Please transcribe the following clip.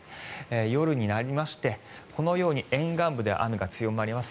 夜になりまして、このように沿岸部で雨が強まります。